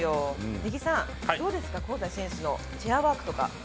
根木さん、どうですか香西選手のチェアワークとか。